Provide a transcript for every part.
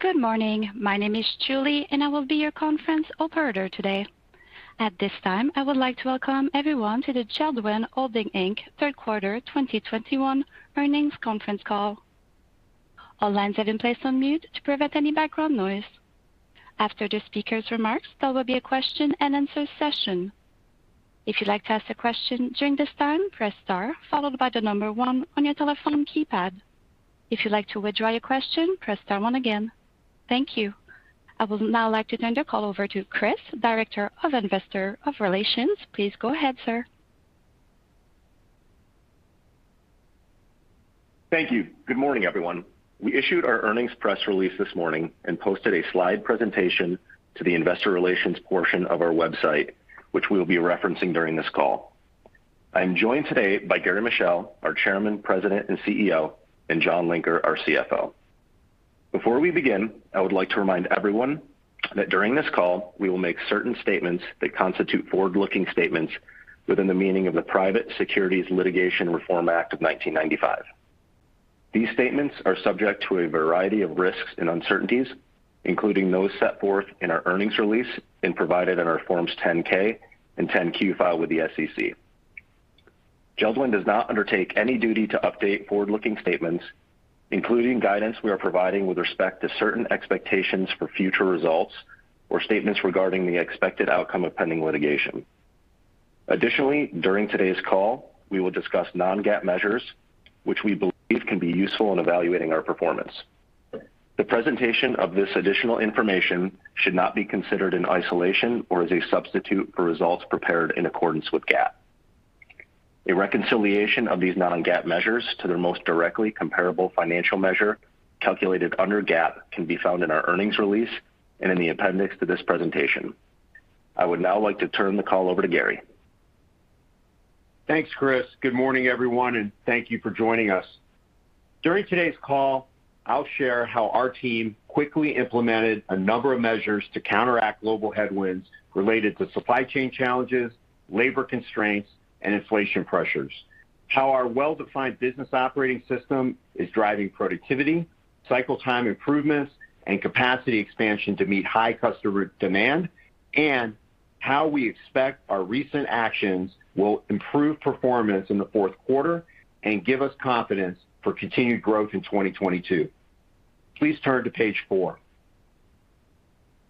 Good morning. My name is Julie, and I will be your conference operator today. At this time, I would like to welcome everyone to the JELD-WEN Holding, Inc. third quarter 2021 earnings conference call. All lines have been placed on mute to prevent any background noise. After the speaker's remarks, there will be a question-and-answer session. If you'd like to ask a question during this time, press star followed by the number one on your telephone keypad. If you'd like to withdraw your question, press star one again. Thank you. I would now like to turn the call over to Chris, Director of Investor Relations. Please go ahead, sir. Thank you. Good morning, everyone. We issued our earnings press release this morning and posted a slide presentation to the investor relations portion of our website, which we'll be referencing during this call. I'm joined today by Gary Michel, our Chairman, President, and CEO, and John Linker, our CFO. Before we begin, I would like to remind everyone that during this call, we will make certain statements that constitute forward-looking statements within the meaning of the Private Securities Litigation Reform Act of 1995. These statements are subject to a variety of risks and uncertainties, including those set forth in our earnings release and provided in our Forms 10-K and 10-Q filed with the SEC. JELD-WEN does not undertake any duty to update forward-looking statements, including guidance we are providing with respect to certain expectations for future results or statements regarding the expected outcome of pending litigation. Additionally, during today's call, we will discuss non-GAAP measures which we believe can be useful in evaluating our performance. The presentation of this additional information should not be considered in isolation or as a substitute for results prepared in accordance with GAAP. A reconciliation of these non-GAAP measures to their most directly comparable financial measure calculated under GAAP can be found in our earnings release and in the appendix to this presentation. I would now like to turn the call over to Gary. Thanks, Chris. Good morning, everyone, and thank you for joining us. During today's call, I'll share how our team quickly implemented a number of measures to counteract global headwinds related to supply chain challenges, labor constraints, and inflation pressures, how our well-defined business operating system is driving productivity, cycle time improvements, and capacity expansion to meet high customer demand, and how we expect our recent actions will improve performance in the fourth quarter and give us confidence for continued growth in 2022. Please turn to page 4.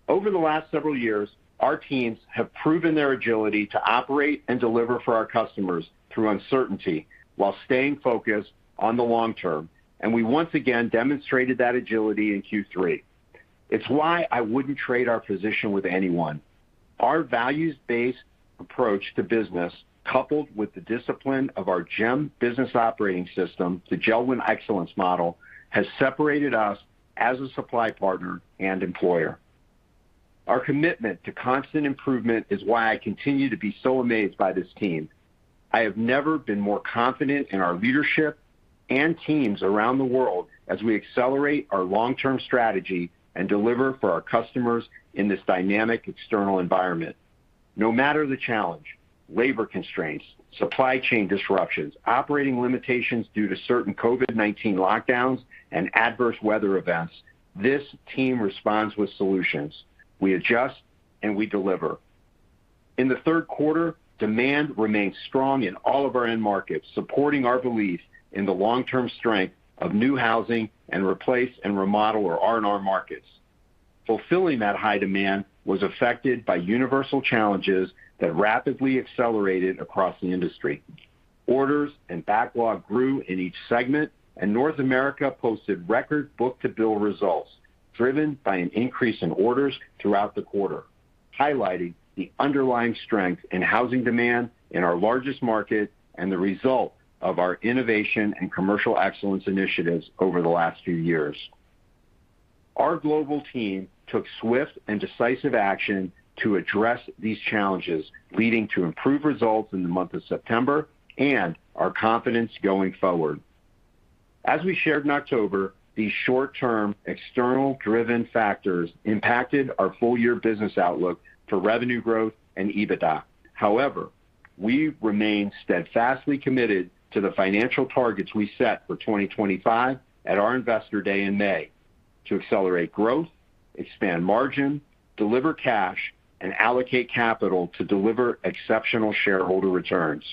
Over the last several years, our teams have proven their agility to operate and deliver for our customers through uncertainty while staying focused on the long term, and we once again demonstrated that agility in Q3. It's why I wouldn't trade our position with anyone. Our values-based approach to business, coupled with the discipline of our JEM business operating system, the JELD-WEN Excellence Model, has separated us as a supply partner and employer. Our commitment to constant improvement is why I continue to be so amazed by this team. I have never been more confident in our leadership and teams around the world as we accelerate our long-term strategy and deliver for our customers in this dynamic external environment. No matter the challenge, labor constraints, supply chain disruptions, operating limitations due to certain COVID-19 lockdowns and adverse weather events, this team responds with solutions. We adjust and we deliver. In the third quarter, demand remained strong in all of our end markets, supporting our belief in the long-term strength of new housing and repair and remodel our R&R markets. Fulfilling that high demand was affected by universal challenges that rapidly accelerated across the industry. Orders and backlog grew in each segment, and North America posted record book-to-bill results driven by an increase in orders throughout the quarter, highlighting the underlying strength in housing demand in our largest market and the result of our innovation and commercial excellence initiatives over the last few years. Our global team took swift and decisive action to address these challenges, leading to improved results in the month of September and our confidence going forward. As we shared in October, these short-term, external-driven factors impacted our full-year business outlook for revenue growth and EBITDA. However, we remain steadfastly committed to the financial targets we set for 2025 at our Investor Day in May to accelerate growth, expand margin, deliver cash, and allocate capital to deliver exceptional shareholder returns.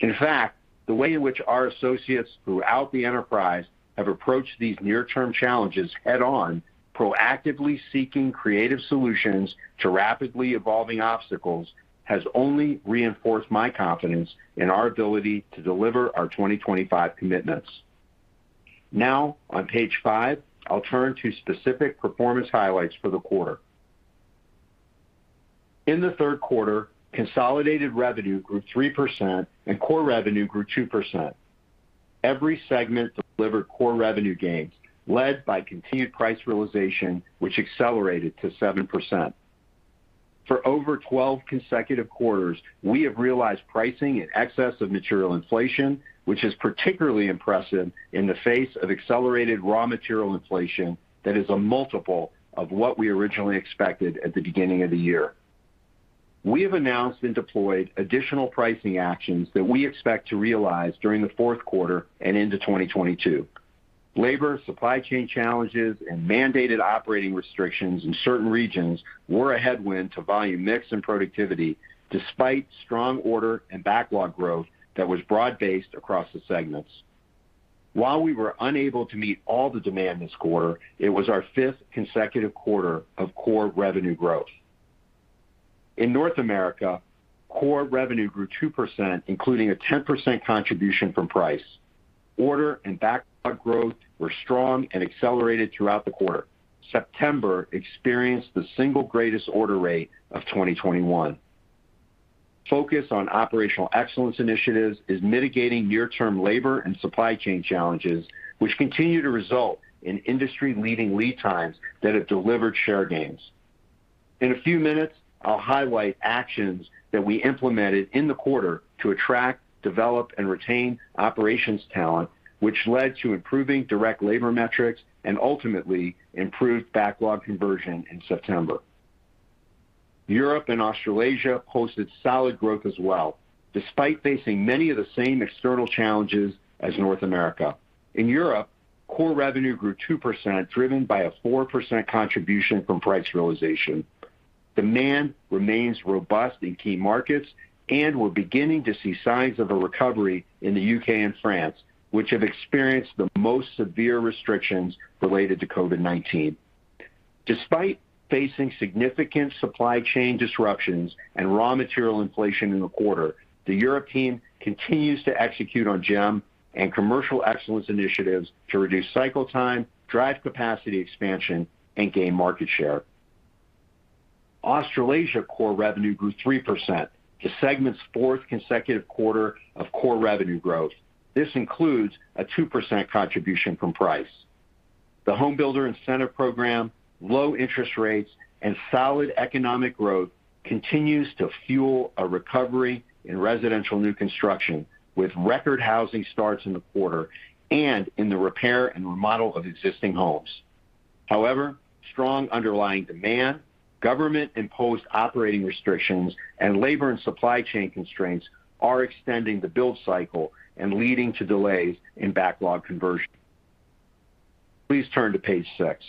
In fact, the way in which our associates throughout the enterprise have approached these near-term challenges head-on, proactively seeking creative solutions to rapidly evolving obstacles, has only reinforced my confidence in our ability to deliver our 2025 commitments. Now, on page 5, I'll turn to specific performance highlights for the quarter. In the third quarter, consolidated revenue grew 3% and core revenue grew 2%. Every segment delivered core revenue gains, led by continued price realization, which accelerated to 7%. For over 12 consecutive quarters, we have realized pricing in excess of material inflation, which is particularly impressive in the face of accelerated raw material inflation that is a multiple of what we originally expected at the beginning of the year. We have announced and deployed additional pricing actions that we expect to realize during the fourth quarter and into 2022. Labor, supply chain challenges, and mandated operating restrictions in certain regions were a headwind to volume mix and productivity despite strong order and backlog growth that was broad-based across the segments. While we were unable to meet all the demand this quarter, it was our fifth consecutive quarter of core revenue growth. In North America, core revenue grew 2%, including a 10% contribution from price. Order and backlog growth were strong and accelerated throughout the quarter. September experienced the single greatest order rate of 2021. Focus on operational excellence initiatives is mitigating near-term labor and supply chain challenges, which continue to result in industry-leading lead times that have delivered share gains. In a few minutes, I'll highlight actions that we implemented in the quarter to attract, develop and retain operations talent, which led to improving direct labor metrics and ultimately improved backlog conversion in September. Europe and Australasia posted solid growth as well, despite facing many of the same external challenges as North America. In Europe, core revenue grew 2%, driven by a 4% contribution from price realization. Demand remains robust in key markets, and we're beginning to see signs of a recovery in the U.K. and France, which have experienced the most severe restrictions related to COVID-19. Despite facing significant supply chain disruptions and raw material inflation in the quarter, the Europe team continues to execute on JEM and commercial excellence initiatives to reduce cycle time, drive capacity expansion, and gain market share. Australasia core revenue grew 3%, the segment's fourth consecutive quarter of core revenue growth. This includes a 2% contribution from price. The Home Builder Incentive Program, low interest rates, and solid economic growth continues to fuel a recovery in residential new construction, with record housing starts in the quarter and in the repair and remodel of existing homes. However, strong underlying demand, government-imposed operating restrictions, and labor and supply chain constraints are extending the build cycle and leading to delays in backlog conversion. Please turn to page 6.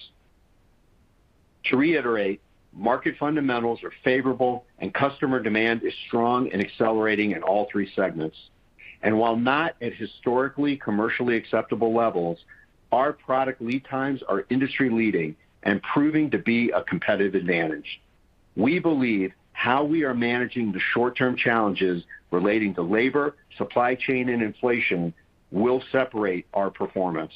To reiterate, market fundamentals are favorable and customer demand is strong and accelerating in all three segments. While not at historically commercially acceptable levels, our product lead times are industry-leading and proving to be a competitive advantage. We believe how we are managing the short-term challenges relating to labor, supply chain, and inflation will separate our performance.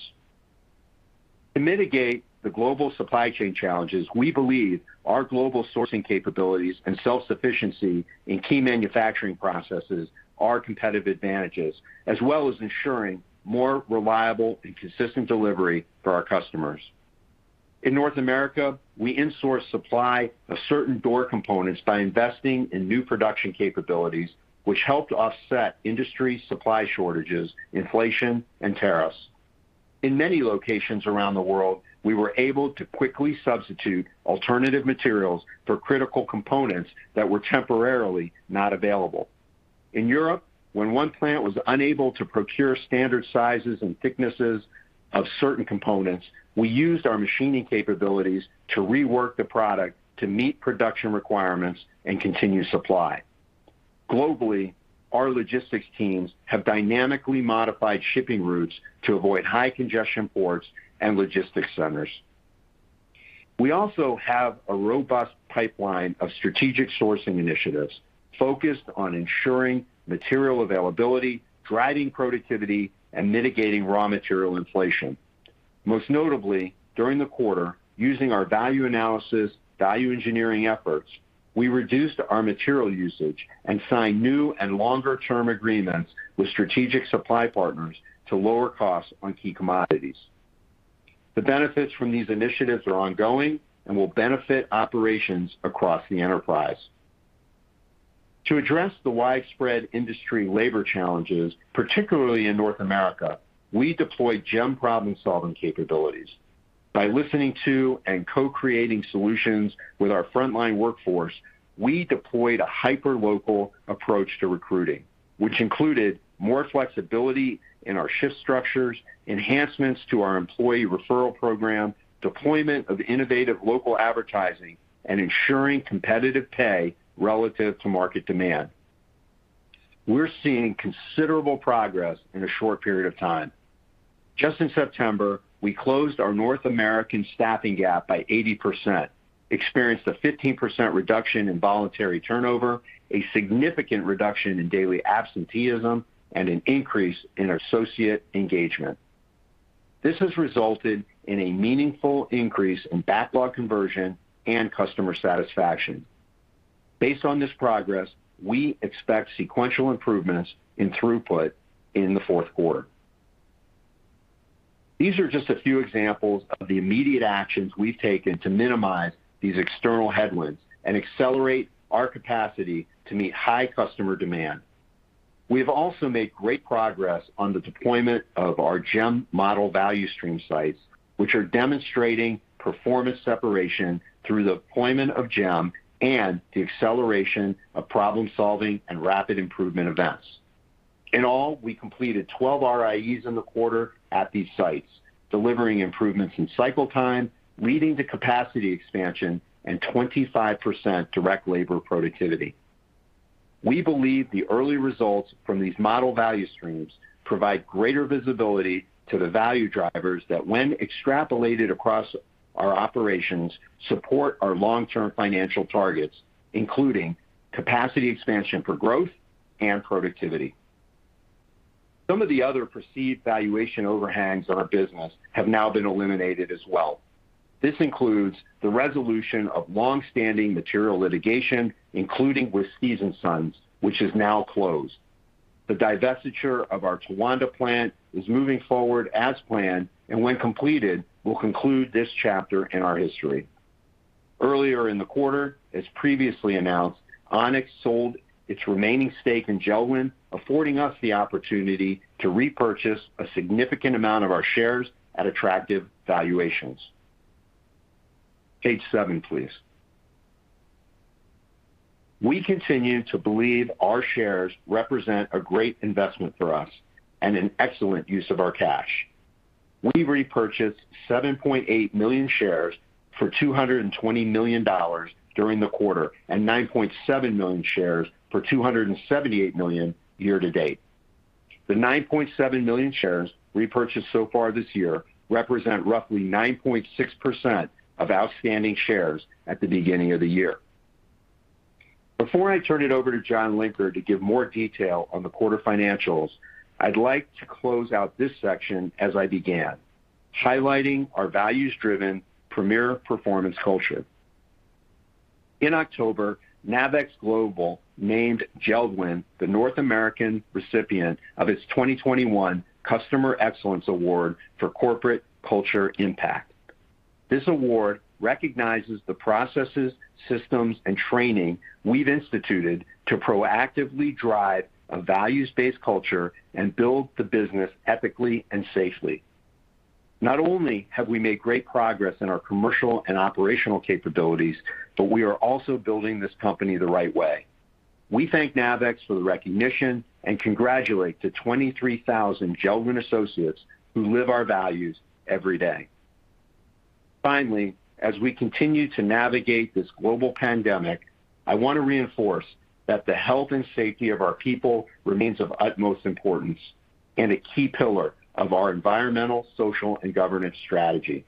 To mitigate the global supply chain challenges, we believe our global sourcing capabilities and self-sufficiency in key manufacturing processes are competitive advantages, as well as ensuring more reliable and consistent delivery for our customers. In North America, we insourced supply of certain door components by investing in new production capabilities, which helped offset industry supply shortages, inflation, and tariffs. In many locations around the world, we were able to quickly substitute alternative materials for critical components that were temporarily not available. In Europe, when one plant was unable to procure standard sizes and thicknesses of certain components, we used our machining capabilities to rework the product to meet production requirements and continue supply. Globally, our logistics teams have dynamically modified shipping routes to avoid high congestion ports and logistics centers. We also have a robust pipeline of strategic sourcing initiatives focused on ensuring material availability, driving productivity, and mitigating raw material inflation. Most notably, during the quarter, using our value analysis, value engineering efforts, we reduced our material usage and signed new and longer-term agreements with strategic supply partners to lower costs on key commodities. The benefits from these initiatives are ongoing and will benefit operations across the enterprise. To address the widespread industry labor challenges, particularly in North America, we deployed JEM problem-solving capabilities. By listening to and co-creating solutions with our frontline workforce, we deployed a hyperlocal approach to recruiting, which included more flexibility in our shift structures, enhancements to our employee referral program, deployment of innovative local advertising, and ensuring competitive pay relative to market demand. We're seeing considerable progress in a short period of time. Just in September, we closed our North American staffing gap by 80%, experienced a 15% reduction in voluntary turnover, a significant reduction in daily absenteeism, and an increase in associate engagement. This has resulted in a meaningful increase in backlog conversion and customer satisfaction. Based on this progress, we expect sequential improvements in throughput in the fourth quarter. These are just a few examples of the immediate actions we've taken to minimize these external headwinds and accelerate our capacity to meet high customer demand. We've also made great progress on the deployment of our JEM model value stream sites, which are demonstrating performance separation through the deployment of JEM and the acceleration of problem-solving and rapid improvement events. In all, we completed 12 RIEs in the quarter at these sites, delivering improvements in cycle time, leading to capacity expansion and 25% direct labor productivity. We believe the early results from these model value streams provide greater visibility to the value drivers that when extrapolated across our operations, support our long-term financial targets, including capacity expansion for growth and productivity. Some of the other perceived valuation overhangs on our business have now been eliminated as well. This includes the resolution of long-standing material litigation, including with Steves & Sons, which is now closed. The divestiture of our Towanda plant is moving forward as planned, and when completed, will conclude this chapter in our history. Earlier in the quarter, as previously announced, Onex sold its remaining stake in JELD-WEN, affording us the opportunity to repurchase a significant amount of our shares at attractive valuations. Page seven, please. We continue to believe our shares represent a great investment for us and an excellent use of our cash. We repurchased 7.8 million shares for $220 million during the quarter and 9.7 million shares for $278 million year to date. The 9.7 million shares repurchased so far this year represent roughly 9.6% of outstanding shares at the beginning of the year. Before I turn it over to John Linker to give more detail on the quarter financials, I'd like to close out this section as I began, highlighting our values-driven premier performance culture. In October, NAVEX Global named JELD-WEN the North American recipient of its 2021 Customer Excellence Award for Corporate Culture Impact. This award recognizes the processes, systems, and training we've instituted to proactively drive a values-based culture and build the business ethically and safely. Not only have we made great progress in our commercial and operational capabilities, but we are also building this company the right way. We thank NAVEX for the recognition and congratulate the 23,000 JELD-WEN associates who live our values every day. Finally, as we continue to navigate this global pandemic, I want to reinforce that the health and safety of our people remains of utmost importance and a key pillar of our environmental, social, and governance strategy.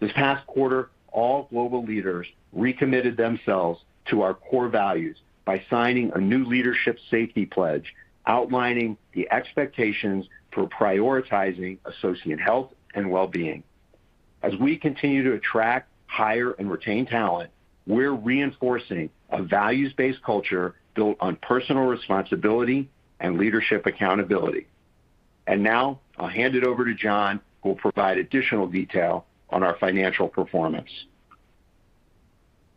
This past quarter, all global leaders recommitted themselves to our core values by signing a new leadership safety pledge outlining the expectations for prioritizing associate health and well-being. As we continue to attract, hire, and retain talent, we're reinforcing a values-based culture built on personal responsibility and leadership accountability. Now, I'll hand it over to John, who will provide additional detail on our financial performance.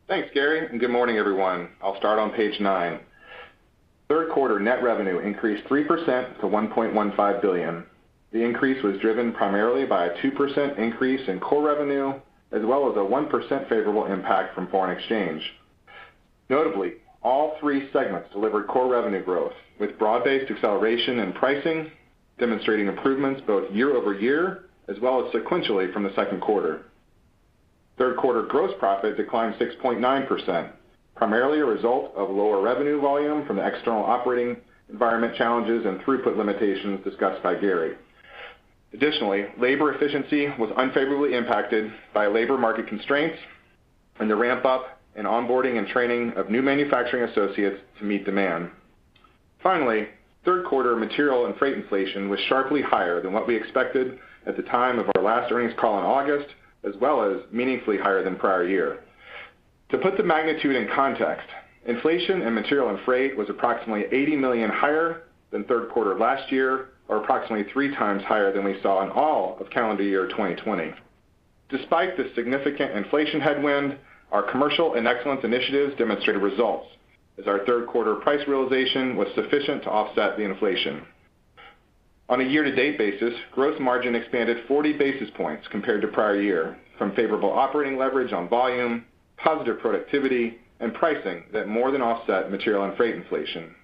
Thanks, Gary, and good morning, everyone. I'll start on page 9. Third quarter net revenue increased 3% to $1.15 billion. The increase was driven primarily by a 2% increase in core revenue as well as a 1% favorable impact from foreign exchange. Notably, all three segments delivered core revenue growth, with broad-based acceleration in pricing, demonstrating improvements both year-over-year as well as sequentially from the second quarter. Third quarter gross profit declined 6.9%, primarily a result of lower revenue volume from the external operating environment challenges and throughput limitations discussed by Gary. Additionally, labor efficiency was unfavorably impacted by labor market constraints and the ramp up in onboarding and training of new manufacturing associates to meet demand. Finally, third quarter material and freight inflation was sharply higher than what we expected at the time of our last earnings call in August, as well as meaningfully higher than prior year. To put the magnitude in context, inflation in material and freight was approximately $80 million higher than third quarter of last year, or approximately three times higher than we saw in all of calendar year 2020. Despite the significant inflation headwind, our commercial and excellence initiatives demonstrated results as our third quarter price realization was sufficient to offset the inflation. On a year-to-date basis, gross margin expanded 40 basis points compared to prior year from favorable operating leverage on volume, positive productivity, and pricing that more than offset material and freight inflation.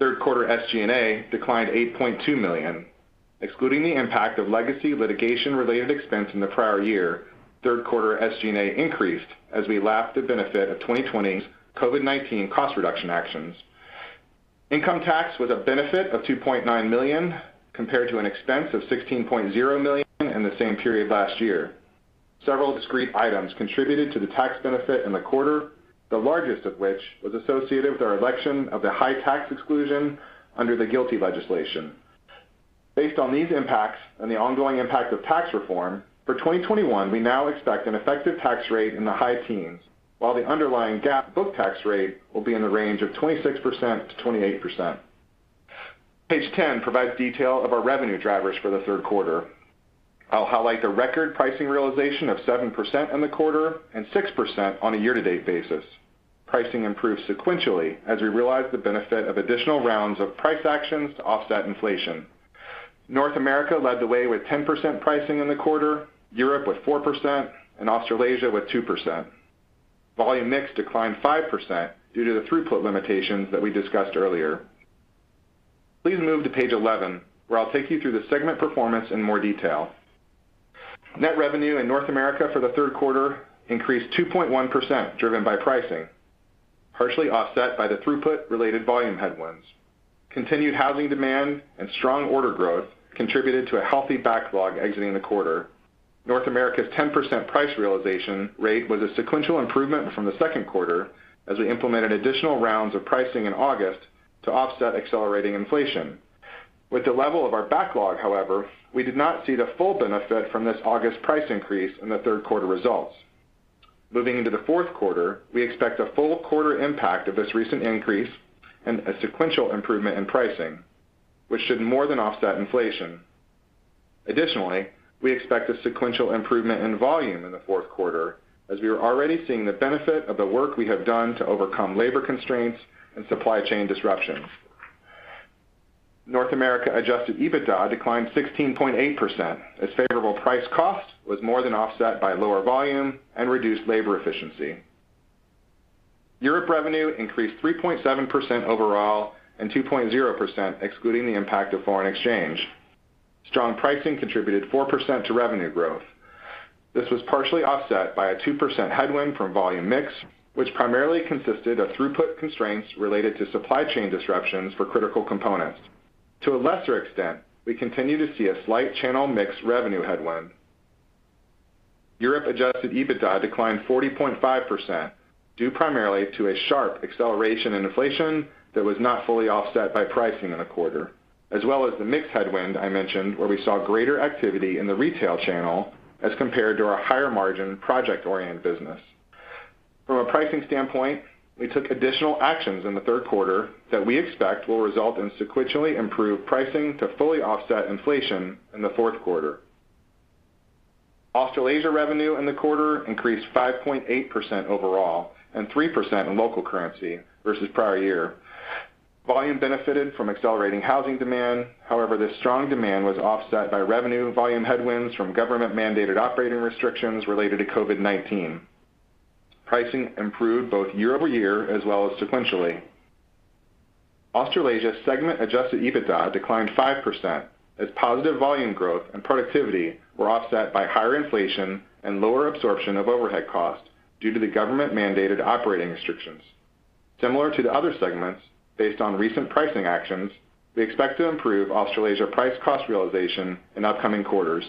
Third quarter SG&A declined $8.2 million. Excluding the impact of legacy litigation-related expense in the prior year, third quarter SG&A increased as we lapped the benefit of 2020's COVID-19 cost reduction actions. Income tax was a benefit of $2.9 million compared to an expense of $16.0 million in the same period last year. Several discrete items contributed to the tax benefit in the quarter, the largest of which was associated with our election of the high tax exclusion under the GILTI legislation. Based on these impacts and the ongoing impact of tax reform, for 2021, we now expect an effective tax rate in the high teens, while the underlying GAAP book tax rate will be in the range of 26%-28%. Page 10 provides detail of our revenue drivers for the third quarter. I'll highlight the record pricing realization of 7% in the quarter and 6% on a year-to-date basis. Pricing improved sequentially as we realized the benefit of additional rounds of price actions to offset inflation. North America led the way with 10% pricing in the quarter, Europe with 4%, and Australasia with 2%. Volume mix declined 5% due to the throughput limitations that we discussed earlier. Please move to page 11, where I'll take you through the segment performance in more detail. Net revenue in North America for the third quarter increased 2.1%, driven by pricing, partially offset by the throughput-related volume headwinds. Continued housing demand and strong order growth contributed to a healthy backlog exiting the quarter. North America's 10% price realization rate was a sequential improvement from the second quarter as we implemented additional rounds of pricing in August to offset accelerating inflation. With the level of our backlog, however, we did not see the full benefit from this August price increase in the third quarter results. Moving into the fourth quarter, we expect a full quarter impact of this recent increase and a sequential improvement in pricing, which should more than offset inflation. Additionally, we expect a sequential improvement in volume in the fourth quarter as we are already seeing the benefit of the work we have done to overcome labor constraints and supply chain disruptions. North America Adjusted EBITDA declined 16.8% as favorable price cost was more than offset by lower volume and reduced labor efficiency. Europe revenue increased 3.7% overall and 2.0% excluding the impact of foreign exchange. Strong pricing contributed 4% to revenue growth. This was partially offset by a 2% headwind from volume mix, which primarily consisted of throughput constraints related to supply chain disruptions for critical components. To a lesser extent, we continue to see a slight channel mix revenue headwind. Europe Adjusted EBITDA declined 40.5%, due primarily to a sharp acceleration in inflation that was not fully offset by pricing in the quarter, as well as the mix headwind I mentioned where we saw greater activity in the retail channel as compared to our higher margin project-oriented business. From a pricing standpoint, we took additional actions in the third quarter that we expect will result in sequentially improved pricing to fully offset inflation in the fourth quarter. Australasia revenue in the quarter increased 5.8% overall and 3% in local currency versus prior year. Volume benefited from accelerating housing demand. However, this strong demand was offset by revenue volume headwinds from government-mandated operating restrictions related to COVID-19. Pricing improved both year-over-year as well as sequentially. Australasia segment Adjusted EBITDA declined 5% as positive volume growth and productivity were offset by higher inflation and lower absorption of overhead costs due to the government-mandated operating restrictions. Similar to the other segments, based on recent pricing actions, we expect to improve Australasia price cost realization in upcoming quarters.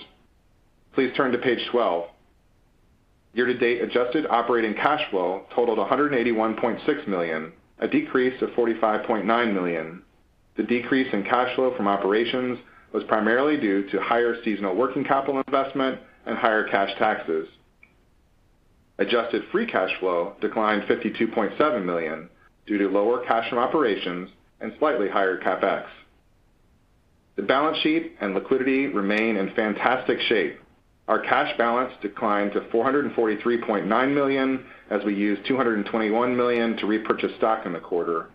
Please turn to page 12. Year-to-date adjusted operating cash flow totaled $181.6 million, a decrease of $45.9 million. The decrease in cash flow from operations was primarily due to higher seasonal working capital investment and higher cash taxes. Adjusted free cash flow declined $52.7 million due to lower cash from operations and slightly higher CapEx. The balance sheet and liquidity remain in fantastic shape. Our cash balance declined to $443.9 million as we used $221 million to repurchase stock in the quarter.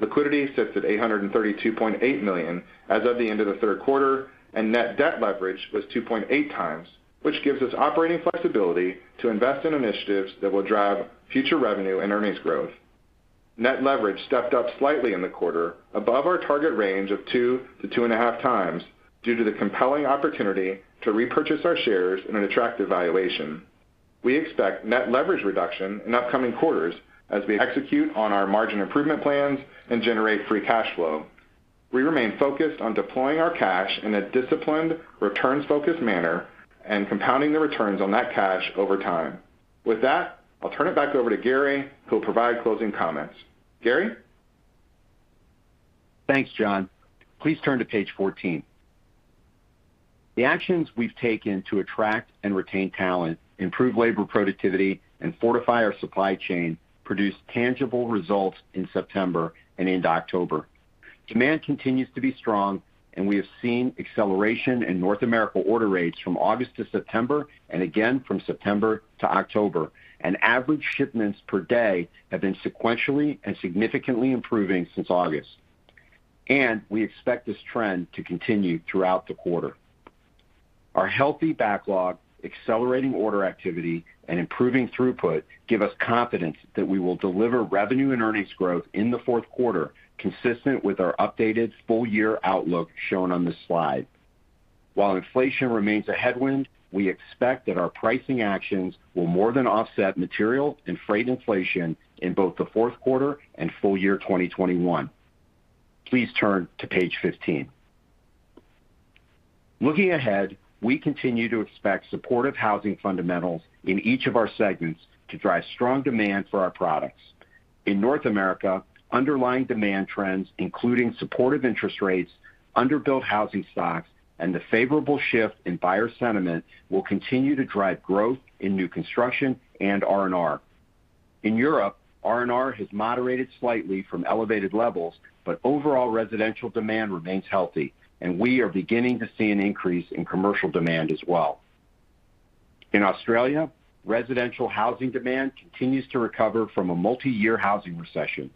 Liquidity sits at $832.8 million as of the end of the third quarter, and net debt leverage was 2.8x, which gives us operating flexibility to invest in initiatives that will drive future revenue and earnings growth. Net leverage stepped up slightly in the quarter above our target range of two to 2.5x due to the compelling opportunity to repurchase our shares in an attractive valuation. We expect net leverage reduction in upcoming quarters as we execute on our margin improvement plans and generate free cash flow. We remain focused on deploying our cash in a disciplined, returns-focused manner and compounding the returns on that cash over time. With that, I'll turn it back over to Gary, who will provide closing comments. Gary? Thanks, John. Please turn to page 14. The actions we've taken to attract and retain talent, improve labor productivity, and fortify our supply chain produced tangible results in September and into October. Demand continues to be strong, and we have seen acceleration in North America order rates from August to September and again from September to October, and average shipments per day have been sequentially and significantly improving since August. We expect this trend to continue throughout the quarter. Our healthy backlog, accelerating order activity, and improving throughput give us confidence that we will deliver revenue and earnings growth in the fourth quarter consistent with our updated full year outlook shown on this slide. While inflation remains a headwind, we expect that our pricing actions will more than offset material and freight inflation in both the fourth quarter and full year 2021. Please turn to page 15. Looking ahead, we continue to expect supportive housing fundamentals in each of our segments to drive strong demand for our products. In North America, underlying demand trends, including supportive interest rates, under-built housing stocks, and the favorable shift in buyer sentiment will continue to drive growth in new construction and R&R. In Europe, R&R has moderated slightly from elevated levels, but overall residential demand remains healthy, and we are beginning to see an increase in commercial demand as well. In Australia, residential housing demand continues to recover from a multi-year housing recession.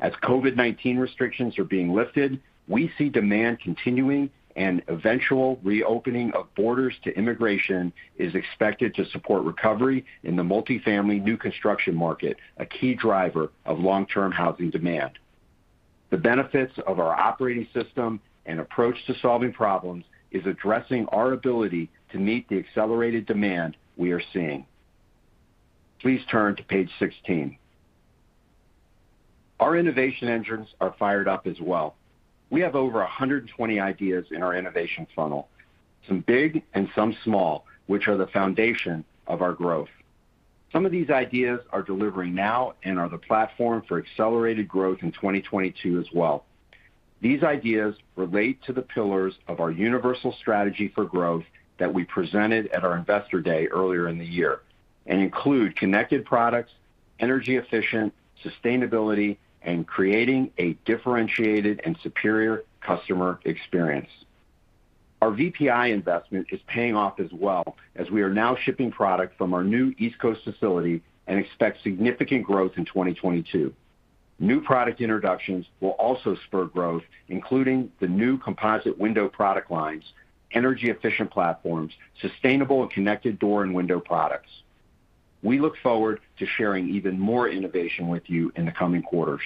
As COVID-19 restrictions are being lifted, we see demand continuing and eventual reopening of borders to immigration is expected to support recovery in the multi-family new construction market, a key driver of long-term housing demand. The benefits of our operating system and approach to solving problems is addressing our ability to meet the accelerated demand we are seeing. Please turn to page 16. Our innovation engines are fired up as well. We have over 120 ideas in our innovation funnel, some big and some small, which are the foundation of our growth. Some of these ideas are delivering now and are the platform for accelerated growth in 2022 as well. These ideas relate to the pillars of our universal strategy for growth that we presented at our Investor Day earlier in the year, and include connected products, energy-efficient, sustainability, and creating a differentiated and superior customer experience. Our VPI investment is paying off as well as we are now shipping product from our new East Coast facility and expect significant growth in 2022. New product introductions will also spur growth, including the new composite window product lines, energy-efficient platforms, sustainable and connected door and window products. We look forward to sharing even more innovation with you in the coming quarters.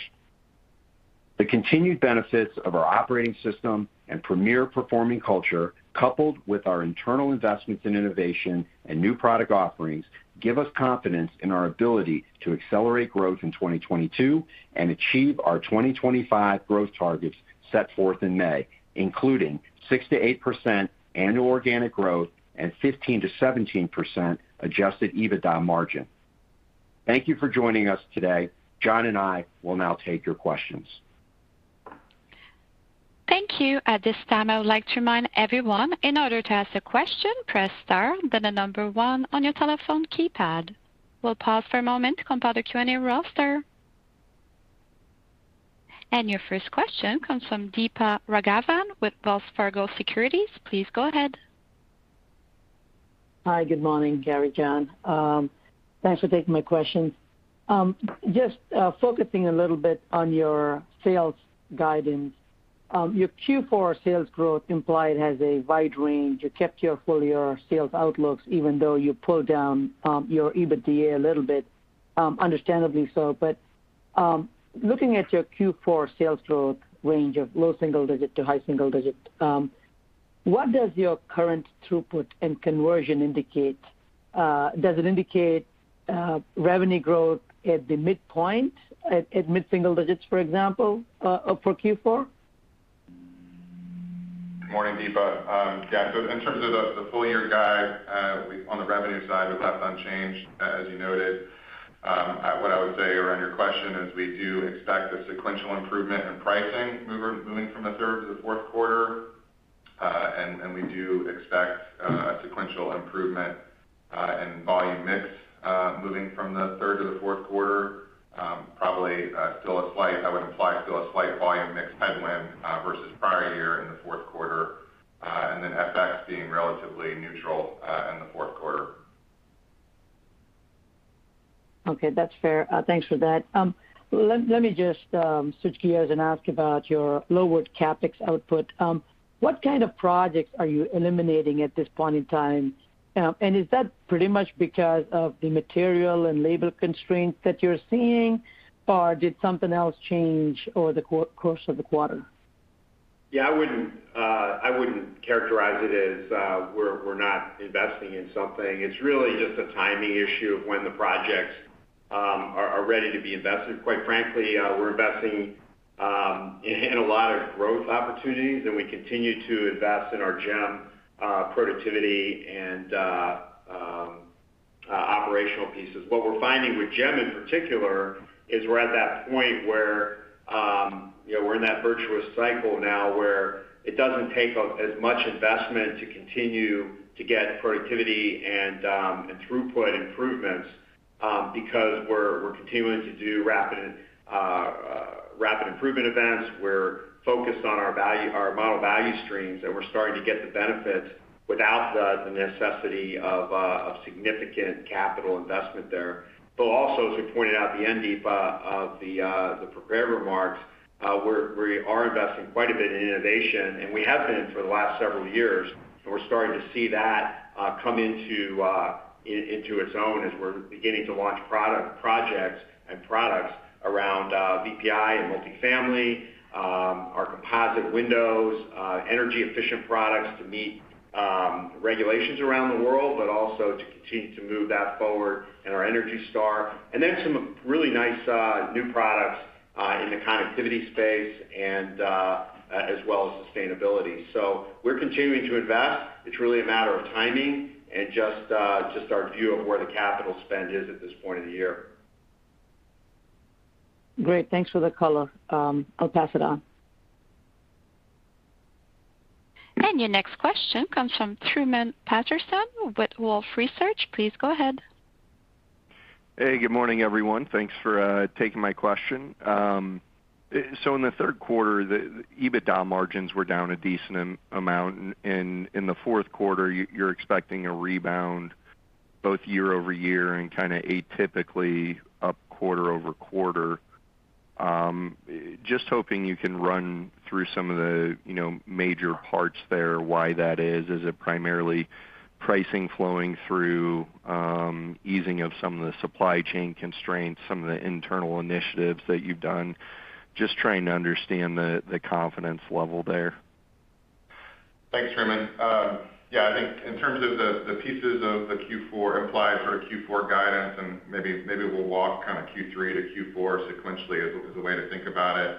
The continued benefits of our operating system and premier performing culture, coupled with our internal investments in innovation and new product offerings, give us confidence in our ability to accelerate growth in 2022 and achieve our 2025 growth targets set forth in May, including 6%-8% annual organic growth and 15%-17% Adjusted EBITDA margin. Thank you for joining us today. John and I will now take your questions. Thank you. At this time, I would like to remind everyone in order to ask a question, press star then the number one on your telephone keypad. We'll pause for a moment to compile the Q&A roster. Your first question comes from Deepa Raghavan with Wells Fargo Securities. Please go ahead. Hi, good morning, Gary, John. Thanks for taking my questions. Just focusing a little bit on your sales guidance. Your Q4 sales growth implied has a wide range. You kept your full-year sales outlooks even though you pulled down your EBITDA a little bit, understandably so. Looking at your Q4 sales growth range of low single digit to high single digit, what does your current throughput and conversion indicate? Does it indicate revenue growth at the midpoint, at mid-single digits, for example, for Q4? Good morning, Deepa. In terms of the full year guide, on the revenue side was left unchanged, as you noted. What I would say around your question is we do expect a sequential improvement in pricing moving from the third to the fourth quarter. We do expect a sequential improvement in volume mix moving from the third to the fourth quarter. Probably, that would imply still a slight volume mix headwind versus prior year in the fourth quarter, and FX being relatively neutral in the fourth quarter. Okay, that's fair. Thanks for that. Let me just switch gears and ask about your lowered CapEx output. What kind of projects are you eliminating at this point in time? Is that pretty much because of the material and labor constraints that you're seeing, or did something else change over the course of the quarter? Yeah, I wouldn't characterize it as we're not investing in something. It's really just a timing issue of when the projects are ready to be invested. Quite frankly, we're investing in a lot of growth opportunities, and we continue to invest in our JEM, productivity and operational pieces. What we're finding with JEM in particular is we're at that point where, you know, we're in that virtuous cycle now where it doesn't take as much investment to continue to get productivity and throughput improvements, because we're continuing to do Rapid Improvement Events. We're focused on our model value streams, and we're starting to get the benefits without the necessity of significant capital investment there. Also, as we pointed out at the end, Deepa, of the prepared remarks, we are investing quite a bit in innovation, and we have been for the last several years. We're starting to see that come into its own as we're beginning to launch projects and products around VPI and multifamily, our composite windows, energy efficient products to meet regulations around the world, but also to continue to move that forward in our ENERGY STAR. Some really nice new products in the connectivity space and as well as sustainability. We're continuing to invest. It's really a matter of timing and just our view of where the capital spend is at this point of the year. Great. Thanks for the color. I'll pass it on. Your next question comes from Truman Patterson with Wolfe Research. Please go ahead. Hey, good morning, everyone. Thanks for taking my question. In the third quarter, the EBITDA margins were down a decent amount. In the fourth quarter, you're expecting a rebound both year-over-year and kinda atypically up quarter-over-quarter. Just hoping you can run through some of the, you know, major parts there, why that is. Is it primarily pricing flowing through, easing of some of the supply chain constraints, some of the internal initiatives that you've done? Just trying to understand the confidence level there. Thanks, Truman. Yeah, I think in terms of the pieces of the Q4 implied sort of Q4 guidance, and maybe we'll walk kinda Q3 to Q4 sequentially as a way to think about it.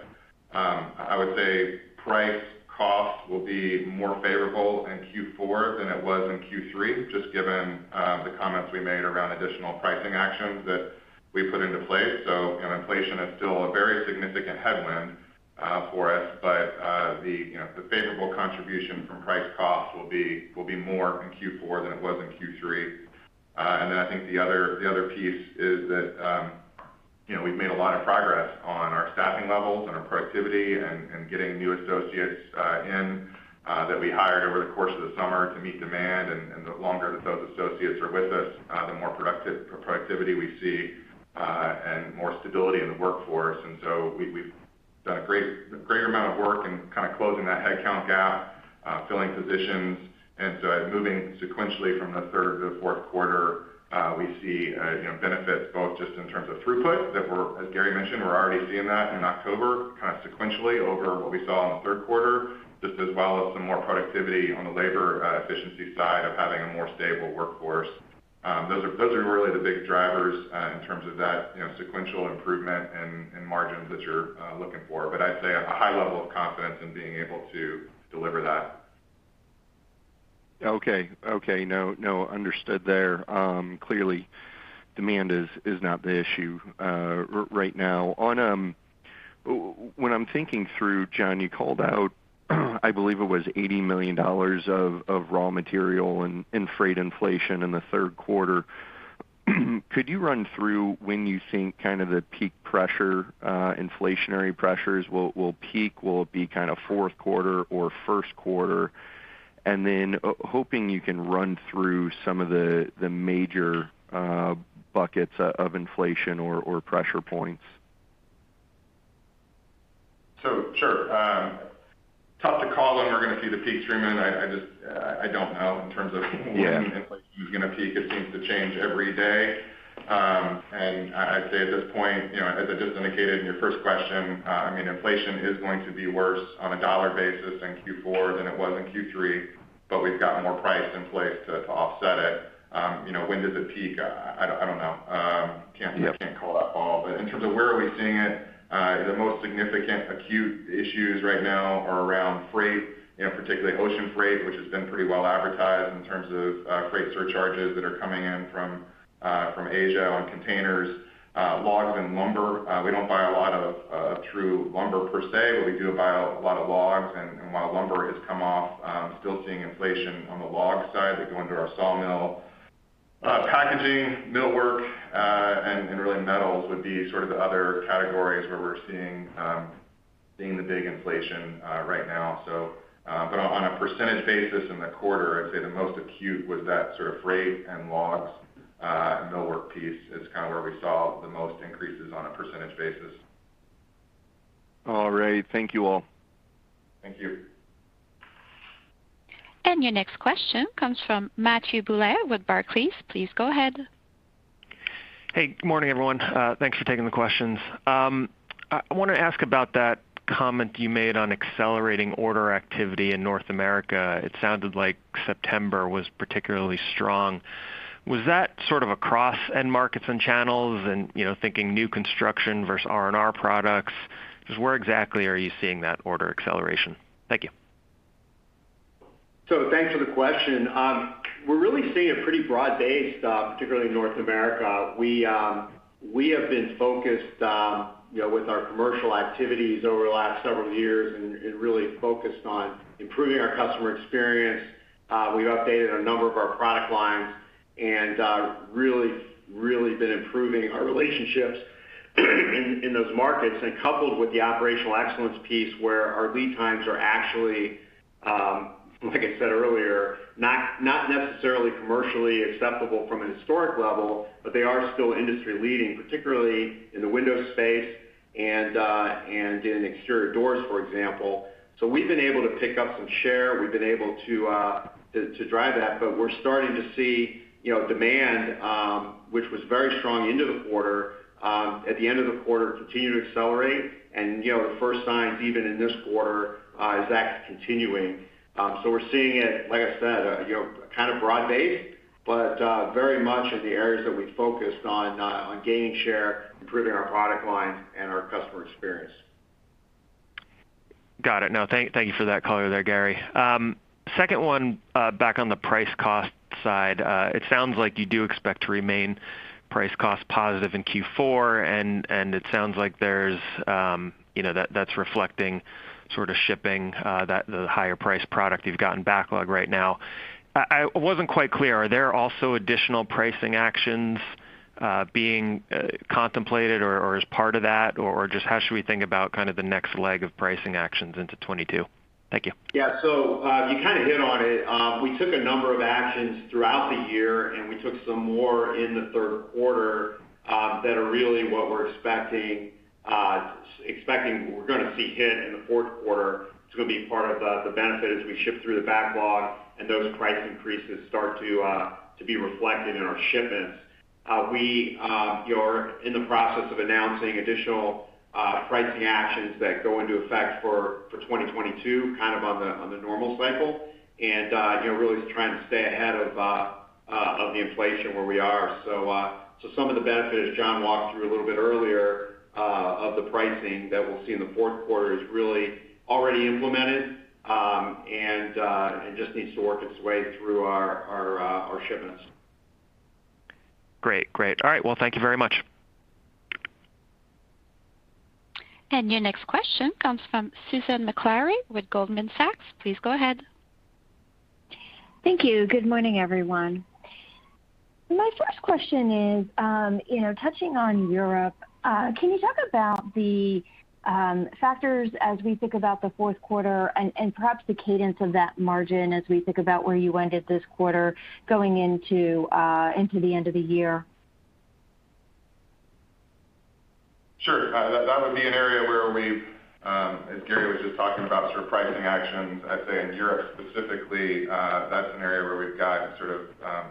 I would say price cost will be more favorable in Q4 than it was in Q3, just given the comments we made around additional pricing actions that we put into place. You know, inflation is still a very significant headwind for us, but you know, the favorable contribution from price cost will be more in Q4 than it was in Q3. I think the other piece is that, you know, we've made a lot of progress on our staffing levels and our productivity and getting new associates that we hired over the course of the summer to meet demand. The longer that those associates are with us, the more productivity we see and more stability in the workforce. We've done a great amount of work in kinda closing that headcount gap, filling positions. Moving sequentially from the third to the fourth quarter, we see, you know, benefits both just in terms of throughput that, as Gary mentioned, we're already seeing that in October, kinda sequentially over what we saw in the third quarter, just as well as some more productivity on the labor, efficiency side of having a more stable workforce. Those are really the big drivers in terms of that, you know, sequential improvement in margins that you're looking for. I'd say a high level of confidence in being able to deliver that. Understood there. Clearly, demand is not the issue right now. When I'm thinking through, John, you called out, I believe it was $80 million of raw material and freight inflation in the third quarter. Could you run through when you think kind of the peak pressure, inflationary pressures will peak? Will it be kinda fourth quarter or first quarter? Hoping you can run through some of the major buckets of inflation or pressure points. Sure. Tough to call when we're gonna see the peak, Truman. I just don't know in terms of. Yeah When inflation is gonna peak. It seems to change every day. I'd say at this point, you know, as I just indicated in your first question, I mean, inflation is going to be worse on a dollar basis in Q4 than it was in Q3, but we've got more price in place to offset it. You know, when does it peak? I don't know. Can't- Yeah Can't call that ball. In terms of where we are seeing it, the most significant acute issues right now are around freight, you know, particularly ocean freight, which has been pretty well advertised in terms of freight surcharges that are coming in from Asia on containers. Logs and lumber, we don't buy a lot of true lumber per se, but we do buy a lot of logs. While lumber has come off, still seeing inflation on the log side that go into our sawmill. Packaging, millwork, and really metals would be sort of the other categories where we're seeing the big inflation right now. On a percentage basis in the quarter, I'd say the most acute was that sort of freight and logs, millwork piece is kinda where we saw the most increases on a percentage basis. All right. Thank you all. Thank you. Your next question comes from Matthew Bouley with Barclays. Please go ahead. Hey, good morning, everyone. Thanks for taking the questions. I wanna ask about that comment you made on accelerating order activity in North America. It sounded like September was particularly strong. Was that sort of across end markets and channels and, you know, thinking new construction versus R&R products? Just where exactly are you seeing that order acceleration? Thank you. Thanks for the question. We're really seeing a pretty broad-based, particularly in North America. We have been focused, you know, with our commercial activities over the last several years and really focused on improving our customer experience. We've updated a number of our product lines and really been improving our relationships in those markets. Coupled with the operational excellence piece, where our lead times are actually, like I said earlier, not necessarily commercially acceptable from a historic level, but they are still industry-leading, particularly in the window space and in exterior doors, for example. We've been able to pick up some share. We've been able to to drive that. We're starting to see, you know, demand, which was very strong into the quarter, at the end of the quarter, continue to accelerate. You know, the first signs even in this quarter is that's continuing. We're seeing it, like I said, you know, kind of broad-based, but very much in the areas that we focused on gaining share, improving our product lines and our customer experience. Got it. No, thank you for that color there, Gary. Second one, back on the price cost side. It sounds like you do expect to remain price cost positive in Q4, and it sounds like there's, you know, that's reflecting sort of shipping that the higher priced product you've got in backlog right now. I wasn't quite clear. Are there also additional pricing actions being contemplated or as part of that? Or just how should we think about kind of the next leg of pricing actions into 2022? Thank you. Yeah. You kinda hit on it. We took a number of actions throughout the year, and we took some more in the third quarter that are really what we're expecting we're gonna see hit in the fourth quarter. It's gonna be part of the benefit as we ship through the backlog and those price increases start to be reflected in our shipments. You know, we are in the process of announcing additional pricing actions that go into effect for 2022, kind of on the normal cycle and, you know, really trying to stay ahead of the inflation where we are. Some of the benefit, as John walked through a little bit earlier, of the pricing that we'll see in the fourth quarter is really already implemented, and it just needs to work its way through our shipments. Great. All right, well, thank you very much. Your next question comes from Susan Maklari with Goldman Sachs. Please go ahead. Thank you. Good morning, everyone. My first question is, you know, touching on Europe, can you talk about the factors as we think about the fourth quarter and perhaps the cadence of that margin as we think about where you ended this quarter going into the end of the year? Sure. That would be an area where we've, as Gary was just talking about, sort of pricing actions. I'd say in Europe specifically, that's an area where we've got sort of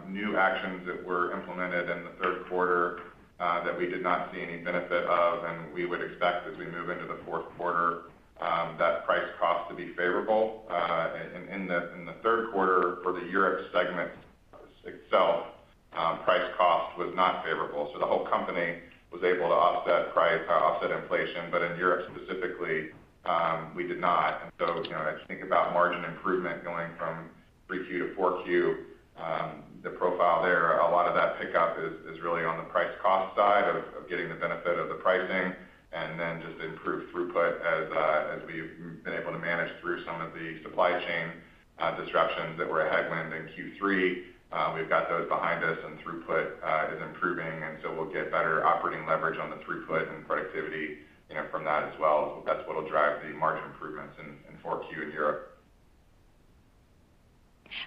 new actions that were implemented in the third quarter, that we did not see any benefit of, and we would expect as we move into the fourth quarter, that price cost to be favorable. In the third quarter for the Europe segment itself, price cost was not favorable. The whole company was able to offset price inflation. In Europe specifically, we did not. You know, as you think about margin improvement going from Q3 to Q4, the profile there, a lot of that pickup is really on the price cost side of getting the benefit of the pricing and then just improved throughput as we've been able to manage through some of the supply chain disruptions that were a headwind in Q3. We've got those behind us, and throughput is improving, and so we'll get better operating leverage on the throughput and productivity, you know, from that as well. That's what'll drive the margin improvements in Q4 in Europe.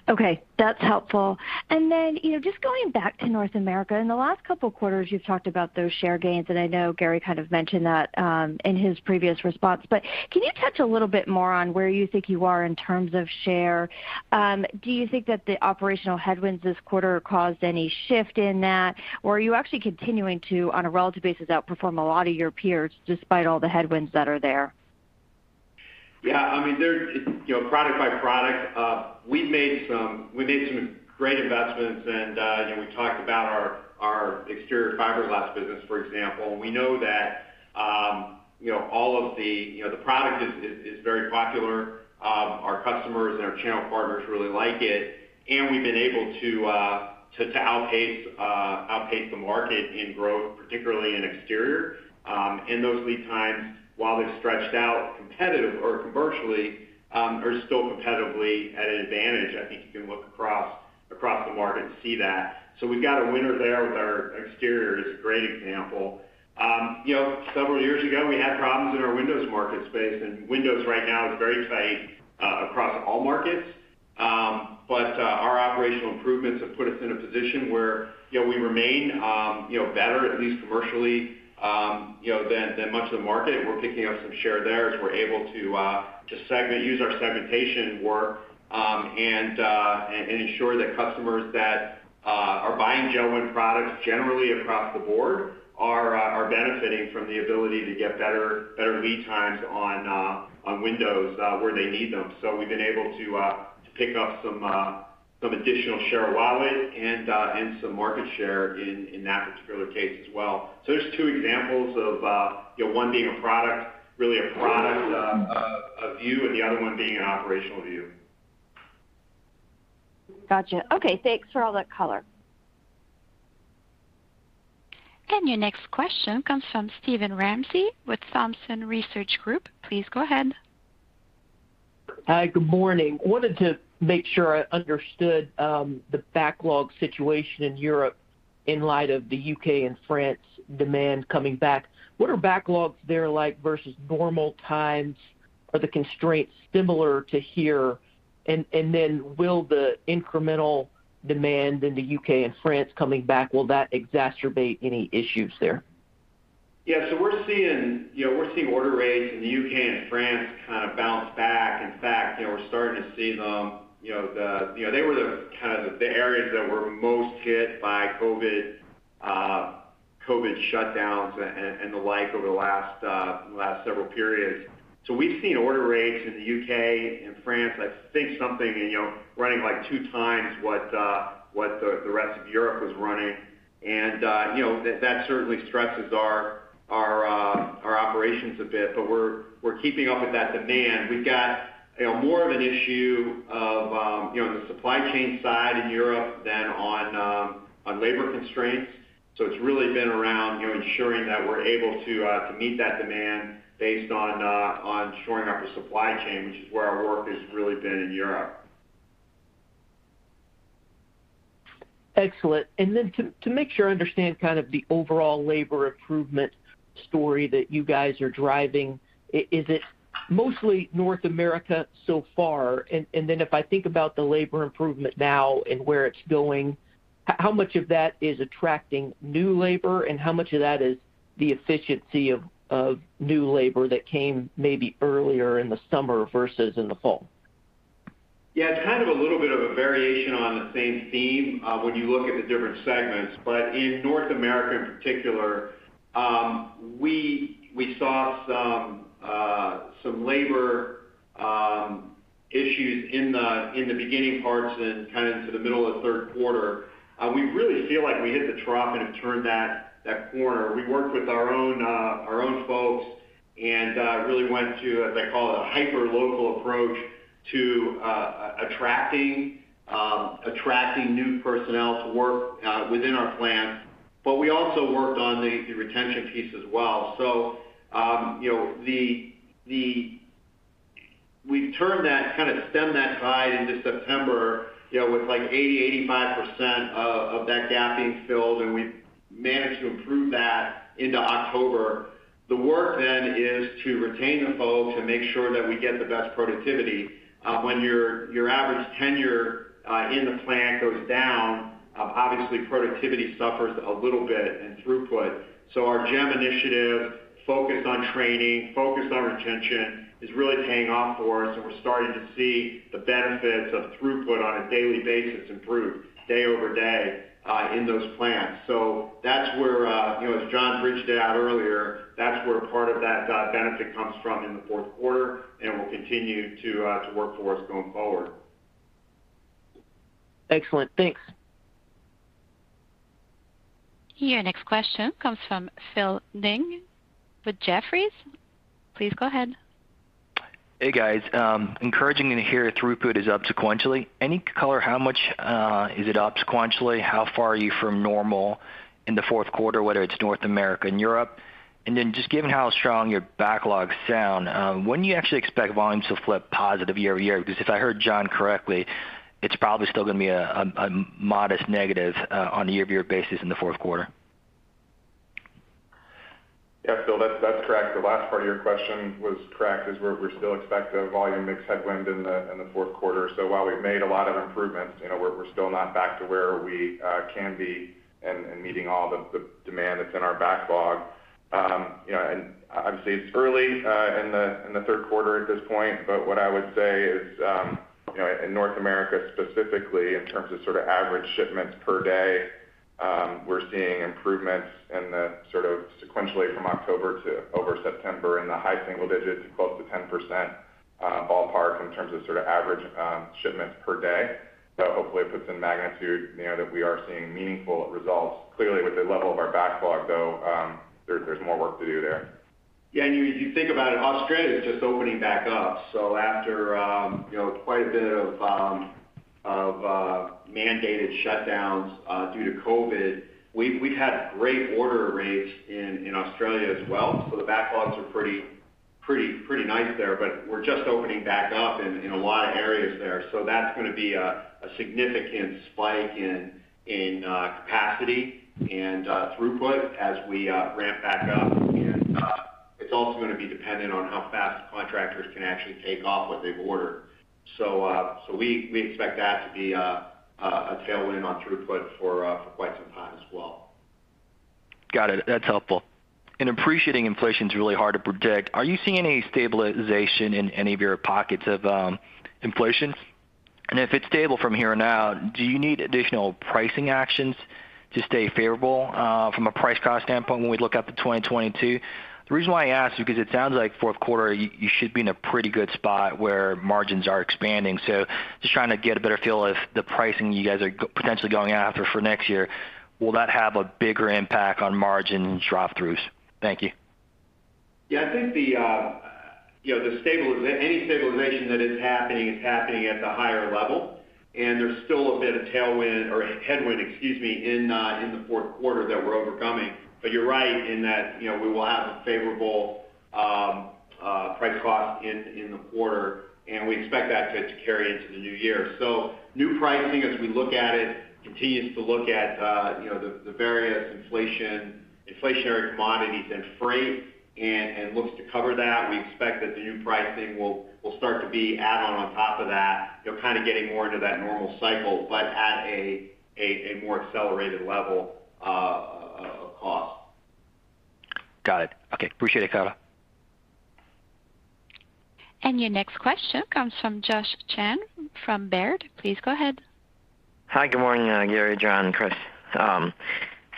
Okay, that's helpful. Then, you know, just going back to North America. In the last couple of quarters, you've talked about those share gains, and I know Gary kind of mentioned that, in his previous response. Can you touch a little bit more on where you think you are in terms of share? Do you think that the operational headwinds this quarter caused any shift in that, or are you actually continuing to, on a relative basis, outperform a lot of your peers despite all the headwinds that are there? Yeah. I mean, there, you know, product by product, we've made some great investments and, you know, we talked about our exterior fiberglass business, for example. We know that, you know, all of the, you know, the product is very popular. Our customers and our channel partners really like it. We've been able to to outpace the market in growth, particularly in exterior. Those lead times, while they've stretched out competitive or commercially, are still competitively at an advantage. I think you can look across the market to see that. We've got a winner there with our exterior is a great example. You know, several years ago, we had problems in our windows market space, and windows right now is very tight across all markets. Our operational improvements have put us in a position where, you know, we remain, you know, better, at least commercially, you know, than much of the market. We're picking up some share there as we're able to segment, use our segmentation work, and ensure that customers that are buying JELD-WEN products generally across the board are benefiting from the ability to get better lead times on windows where they need them. We've been able to pick up some additional share of wallet and some market share in that particular case as well. There's two examples of, you know, one being a product, really a product view, and the other one being an operational view. Gotcha. Okay. Thanks for all that color. Your next question comes from Steven Ramsey with Thompson Research Group. Please go ahead. Hi. Good morning. I wanted to make sure I understood the backlog situation in Europe in light of the U.K. and France demand coming back. What are backlogs there like versus normal times? Are the constraints similar to here? Will the incremental demand in the U.K. and France coming back exacerbate any issues there? Yeah. We're seeing, you know, order rates in the U.K. and France kind of bounce back. In fact, you know, we're starting to see them, you know, they were the kind of areas that were most hit by COVID shutdowns and the like over the last several periods. We've seen order rates in the U.K. and France, I think something, and you know, running like two times what the rest of Europe was running. That certainly stresses our operations a bit, but we're keeping up with that demand. We've got, you know, more of an issue of, you know, the supply chain side in Europe than on labor constraints. It's really been around, you know, ensuring that we're able to meet that demand based on shoring up the supply chain, which is where our work has really been in Europe. Excellent. To make sure I understand kind of the overall labor improvement story that you guys are driving. Is it mostly North America so far? If I think about the labor improvement now and where it's going, how much of that is attracting new labor and how much of that is the efficiency of new labor that came maybe earlier in the summer versus in the fall? Yeah, it's kind of a little bit of a variation on the same theme when you look at the different segments. In North America in particular, we saw some labor issues in the beginning parts and kind of into the middle of the third quarter. We really feel like we hit the trough and have turned that corner. We worked with our own folks and really went to, as I call it, a hyperlocal approach to attracting new personnel to work within our plant. We also worked on the retention piece as well. You know, the... We've turned that, kind of stemmed that tide into September, you know, with like 80-85% of that gap being filled, and we've managed to improve that into October. The work then is to retain the folks and make sure that we get the best productivity. When your average tenure in the plant goes down, obviously productivity suffers a little bit in throughput. Our JEM initiative focused on training, focused on retention, is really paying off for us, and we're starting to see the benefits of throughput on a daily basis improve day-over-day in those plants. That's where, you know, as John bridged it out earlier, that's where part of that benefit comes from in the fourth quarter and will continue to work for us going forward. Excellent. Thanks. Your next question comes from Philip Ng with Jefferies. Please go ahead. Hey, guys. Encouraging to hear throughput is up sequentially. Any color how much is it up sequentially? How far are you from normal in the fourth quarter, whether it's North America and Europe? Just given how strong your backlogs sound, when do you actually expect volumes to flip positive year-over-year? Because if I heard John correctly, it's probably still gonna be a modest negative on a year-over-year basis in the fourth quarter. Yeah. Phil, that's correct. The last part of your question was correct, is we still expect a volume mix headwind in the fourth quarter. While we've made a lot of improvements, you know, we're still not back to where we can be in meeting all the demand that's in our backlog. You know, and obviously it's early in the third quarter at this point, but what I would say is, you know, in North America specifically, in terms of sort of average shipments per day, we're seeing improvements in the sort of sequentially from October over September in the high single digits, close to 10%, ballpark in terms of sort of average shipments per day. So hopefully it puts in magnitude, you know, that we are seeing meaningful results. Clearly, with the level of our backlog though, there's more work to do there. Yeah, you think about it, Australia is just opening back up. After you know quite a bit of of mandated shutdowns due to COVID, we've had great order rates in Australia as well, so the backlogs are pretty nice there. We're just opening back up in a lot of areas there. That's gonna be a significant spike in capacity and throughput as we ramp back up. It's also gonna be dependent on how fast contractors can actually take off what they've ordered. We expect that to be a tailwind on throughput for quite some time as well. Got it. That's helpful. Appreciating inflation's really hard to predict. Are you seeing any stabilization in any of your pockets of inflation? If it's stable from here on out, do you need additional pricing actions to stay favorable from a price cost standpoint when we look out to 2022? The reason why I ask, because it sounds like fourth quarter you should be in a pretty good spot where margins are expanding. Just trying to get a better feel if the pricing you guys are potentially going after for next year, will that have a bigger impact on margin drop-throughs? Thank you. Yeah. I think you know the any stabilization that is happening is happening at the higher level, and there's still a bit of tailwind or headwind, excuse me, in the fourth quarter that we're overcoming. You're right in that you know we will have a favorable price cost in the quarter, and we expect that to carry into the new year. New pricing, as we look at it, continues to look at you know the various inflationary commodities and freight and looks to cover that. We expect that the new pricing will start to be add-on on top of that you know kind of getting more into that normal cycle, but at a more accelerated level of cost. Got it. Okay. Appreciate it, Gary. Your next question comes from Joshua Chan from Baird. Please go ahead. Hi. Good morning, Gary, John, Chris.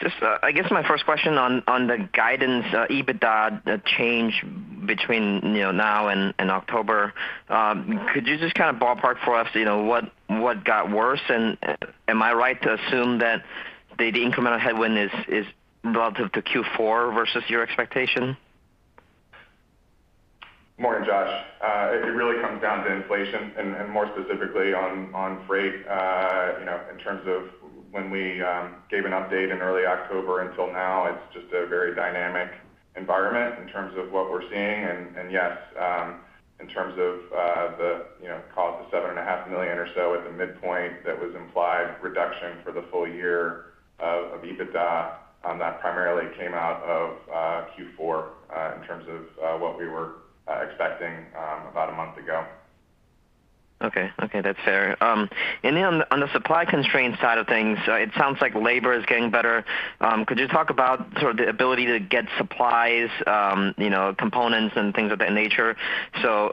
Just, I guess my first question on the guidance, EBITDA, change Between now and October. Could you just kind of ballpark for us what got worse? Am I right to assume that the incremental headwind is relative to Q4 versus your expectation? Morning, Josh. It really comes down to inflation and more specifically on freight, you know, in terms of when we gave an update in early October until now, it's just a very dynamic environment in terms of what we're seeing. Yes, in terms of the, you know, call it the $7.5 million or so at the midpoint, that was implied reduction for the full year of EBITDA, that primarily came out of Q4 in terms of what we were expecting about a month ago. Okay. Okay, that's fair. Then on the supply constraint side of things, it sounds like labor is getting better. Could you talk about sort of the ability to get supplies, you know, components and things of that nature?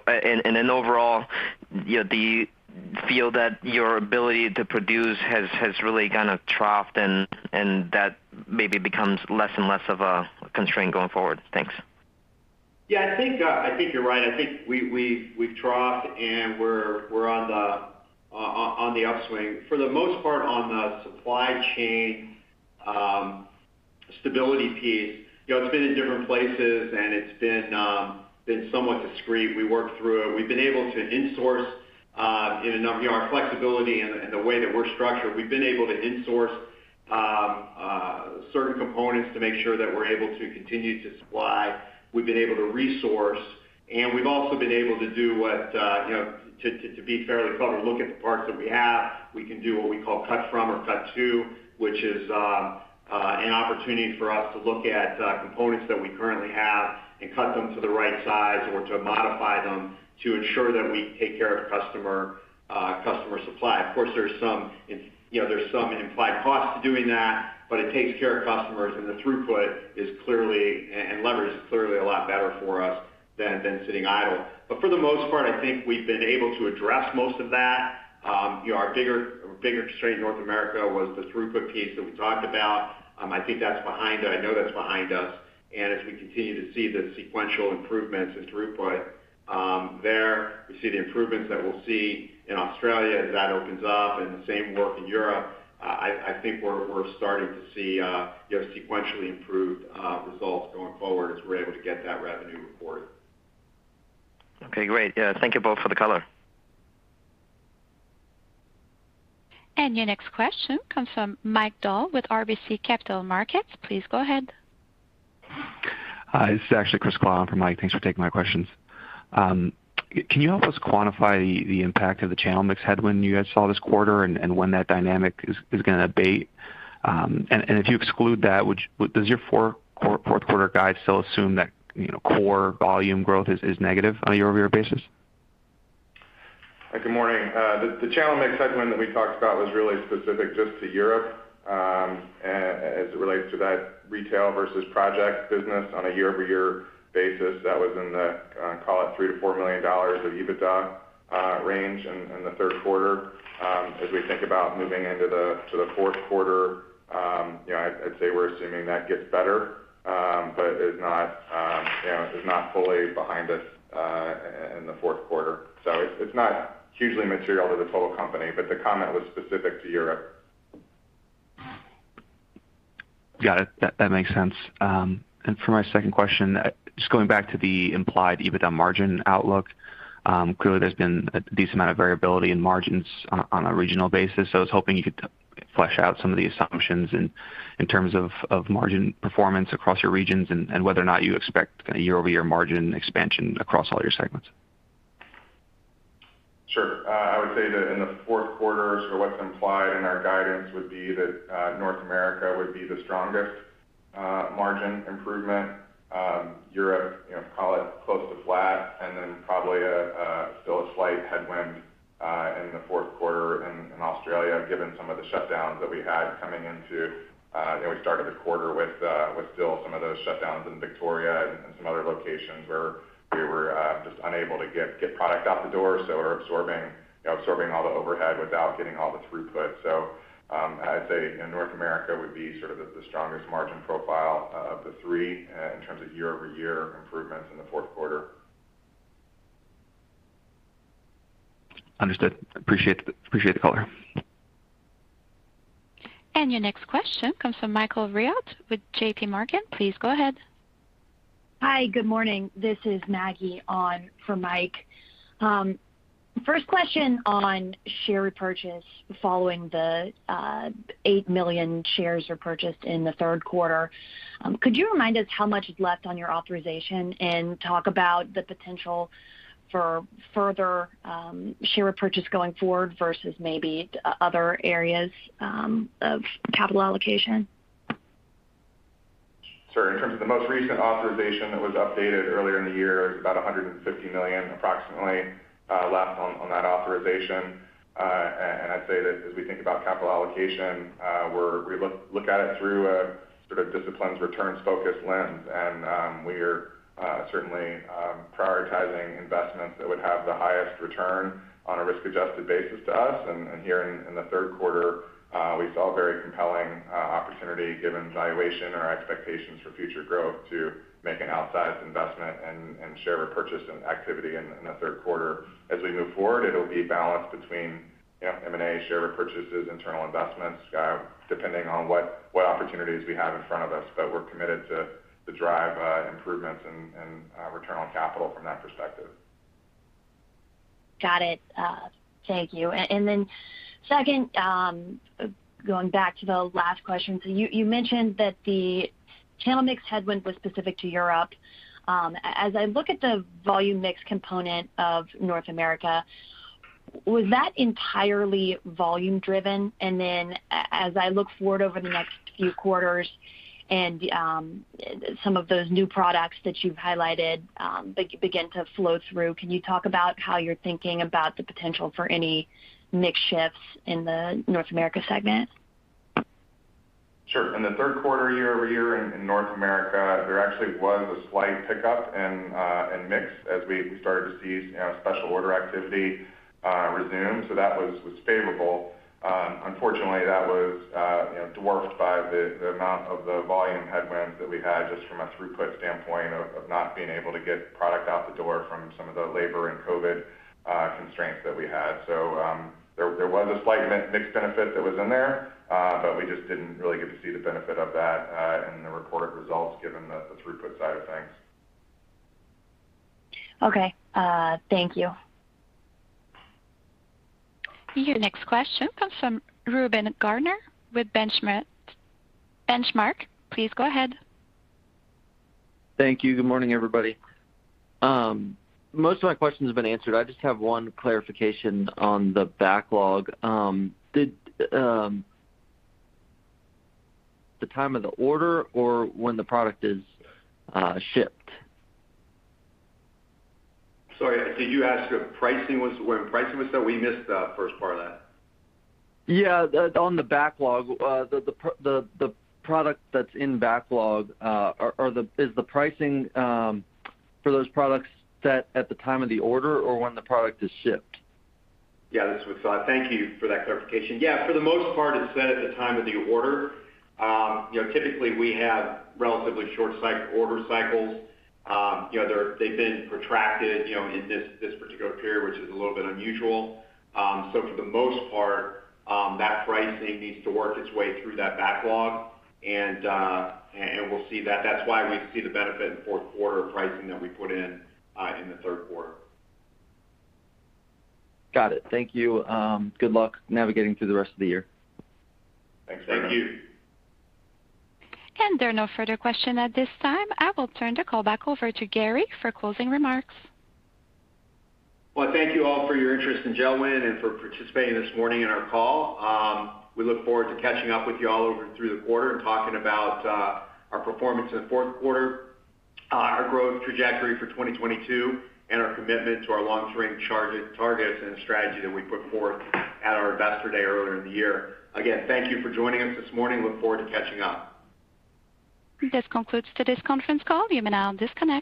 And then overall, you know, do you feel that your ability to produce has really kind of troughed and that maybe becomes less and less of a constraint going forward? Thanks. Yeah, I think you're right. I think we've troughed and we're on the upswing. For the most part on the supply chain stability piece. You know, it's been in different places, and it's been somewhat discrete. We worked through it. We've been able to insource, you know, our flexibility in the way that we're structured. We've been able to insource certain components to make sure that we're able to continue to supply. We've been able to re-source, and we've also been able to do what, you know, to be fairly clever, look at the parts that we have. We can do what we call cut from or cut to, which is an opportunity for us to look at components that we currently have and cut them to the right size or to modify them to ensure that we take care of customer supply. Of course, there's some, you know, implied costs to doing that, but it takes care of customers, and the throughput is clearly and leverage is clearly a lot better for us than sitting idle. But for the most part, I think we've been able to address most of that. You know, our bigger constraint in North America was the throughput piece that we talked about. I think that's behind. I know that's behind us. As we continue to see the sequential improvements in throughput, there we see the improvements that we'll see in Australia as that opens up, and the same work in Europe. I think we're starting to see, you know, sequentially improved results going forward as we're able to get that revenue reported. Okay, great. Yeah, thank you both for the color. Your next question comes from Mike Dahl with RBC Capital Markets. Please go ahead. Hi, this is actually Chris Kwon for Mike. Thanks for taking my questions. Can you help us quantify the impact of the channel mix headwind you guys saw this quarter and when that dynamic is gonna abate? If you exclude that, does your fourth quarter guide still assume that, you know, core volume growth is negative on a year-over-year basis? Good morning. The channel mix headwind that we talked about was really specific just to Europe, as it relates to that retail versus project business on a year-over-year basis. That was in the call it $3 million-$4 million of EBITDA range in the third quarter. As we think about moving into the fourth quarter, you know, I'd say we're assuming that gets better, but is not, you know, is not fully behind us in the fourth quarter. It's not hugely material to the total company, but the comment was specific to Europe. Got it. That makes sense. For my second question, just going back to the implied EBITDA margin outlook. Clearly there's been a decent amount of variability in margins on a regional basis. I was hoping you could flesh out some of the assumptions in terms of margin performance across your regions and whether or not you expect a year-over-year margin expansion across all your segments. Sure. I would say that in the fourth quarter, sort of what's implied in our guidance would be that North America would be the strongest margin improvement. Europe, you know, call it close to flat and then probably still a slight headwind in the fourth quarter in Australia, given some of the shutdowns that we had coming into. You know, we started the quarter with still some of those shutdowns in Victoria and some other locations where we were just unable to get product out the door. So we're absorbing, you know, all the overhead without getting all the throughput. So, I'd say North America would be sort of the strongest margin profile of the three in terms of year-over-year improvements in the fourth quarter. Understood. Appreciate the color. Your next question comes from Michael Rehaut with JPMorgan. Please go ahead. Hi, good morning. This is Maggie on for Mike. First question on share repurchase following the 8 million shares you purchased in the third quarter. Could you remind us how much is left on your authorization and talk about the potential for further share repurchase going forward versus maybe other areas of capital allocation? Sure. In terms of the most recent authorization that was updated earlier in the year is approximately $150 million left on that authorization. I'd say that as we think about capital allocation, we look at it through a sort of disciplined returns-focused lens. We are certainly prioritizing investments that would have the highest return on a risk-adjusted basis to us. Here in the third quarter, we saw a very compelling opportunity given valuation or expectations for future growth to make an outsized investment and share repurchase activity in the third quarter. As we move forward, it'll be a balance between, you know, M&A, share repurchases, internal investments, depending on what opportunities we have in front of us. We're committed to drive improvements and return on capital from that perspective. Got it. Thank you. And then second, going back to the last question. You mentioned that the channel mix headwind was specific to Europe. As I look at the volume mix component of North America, was that entirely volume driven? As I look forward over the next few quarters and some of those new products that you've highlighted begin to flow through, can you talk about how you're thinking about the potential for any mix shifts in the North America segment? Sure. In the third quarter, year-over-year in North America, there actually was a slight pickup in mix as we started to see, you know, special order activity resume. That was favorable. Unfortunately, that was, you know, dwarfed by the amount of the volume headwinds that we had just from a throughput standpoint of not being able to get product out the door from some of the labor and COVID constraints that we had. There was a slight mix benefit that was in there, but we just didn't really get to see the benefit of that in the reported results given the throughput side of things. Okay. Thank you. Your next question comes from Reuben Garner with Benchmark. Benchmark, please go ahead. Thank you. Good morning, everybody. Most of my questions have been answered. I just have one clarification on the backlog. The time of the order or when the product is shipped? Sorry, did you ask when pricing was set? We missed the first part of that. Yeah. On the backlog, the product that's in backlog, is the pricing for those products set at the time of the order or when the product is shipped? Yeah, this is John Linker. Thank you for that clarification. Yeah, for the most part, it's set at the time of the order. You know, typically, we have relatively short cycle, order cycles. You know, they've been protracted, you know, in this particular period, which is a little bit unusual. So for the most part, that pricing needs to work its way through that backlog and we'll see that. That's why we see the benefit in fourth quarter pricing that we put in in the third quarter. Got it. Thank you. Good luck navigating through the rest of the year. Thanks, Reuben. Thank you. There are no further questions at this time. I will turn the call back over to Gary for closing remarks. Well, thank you all for your interest in JELD-WEN and for participating this morning in our call. We look forward to catching up with you all over through the quarter and talking about our performance in the fourth quarter, our growth trajectory for 2022, and our commitment to our long-term targets and strategy that we put forth at our Investor Day earlier in the year. Again, thank you for joining us this morning. Look forward to catching up. This concludes today's conference call. You may now disconnect.